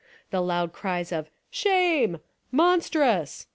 The loud cries of "Shame! Monstrous!"